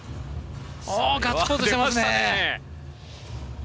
ガッツポーズしてますね。